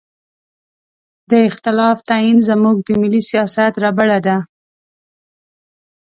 د اختلاف تعین زموږ د ملي سیاست ربړه ده.